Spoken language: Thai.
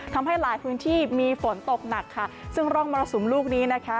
ทำให้หลายพื้นที่มีฝนตกหนักค่ะซึ่งร่องมรสุมลูกนี้นะคะ